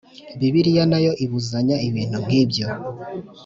Bibiliya na yo ibuzanya ibintu nk ibyo